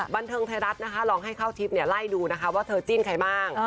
บันเทิงไทยรัฐนะคะลองให้เข้าทิพย์ไล่ดูนะคะว่าเธอจิ้นใครบ้าง